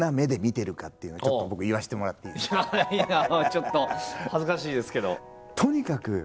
ちょっと恥ずかしいですけど。